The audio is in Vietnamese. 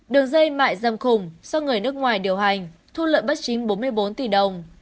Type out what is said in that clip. đường dây mại dâm khủng do người nước ngoài điều hành thu lợi bất chính bốn mươi bốn tỷ đồng